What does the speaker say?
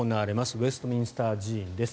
ウェストミンスター寺院です。